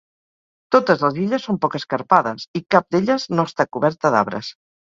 Totes les illes són poc escarpades i cap d'elles no està coberta d'arbres.